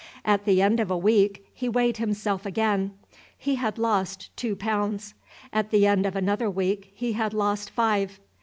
At the end of a week he weighed himself again. He had lost two pounds. At the end of another week he had lost five.